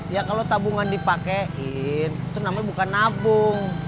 ya kalau tabungan dipakaiin itu namanya bukan nabung